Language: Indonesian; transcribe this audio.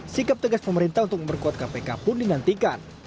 sikap tegas pemerintah untuk memperkuat kpk pun dinantikan